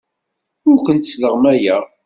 Ur kent-sleɣmayeɣ.